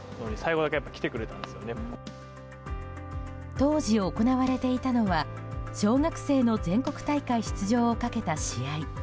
当時、行われていたのは小学生の全国大会出場をかけた試合。